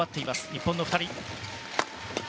日本の２人。